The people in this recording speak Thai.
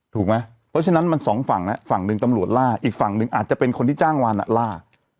ถูกไหมเพราะฉะนั้นมันสองฝั่งนะฝั่งหนึ่งตำรวจล่าอีกฝั่งหนึ่งอาจจะเป็นคนที่จ้างวานล่า